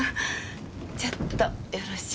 ちょっとよろしいかしら？